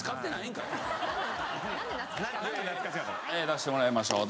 出してもらいましょう。